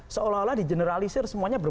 seolah olah di generalisir semuanya berbeda